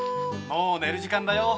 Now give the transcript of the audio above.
・もうねる時間だよ。